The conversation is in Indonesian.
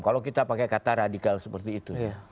kalau kita pakai kata radikal seperti itu